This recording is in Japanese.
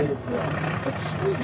すごいね。